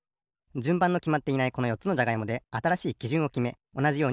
じゅんばんのきまっていないこのよっつのじゃがいもであたらしいきじゅんをきめおなじようにふりわけていきます。